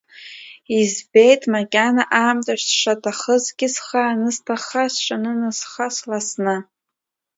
Избеит макьана аамҭа сшаҭахызгьы, схы анысҭахха, сҿанынасха сласны.